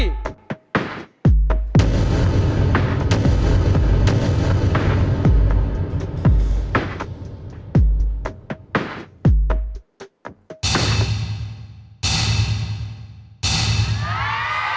คุณแคลรอนครับ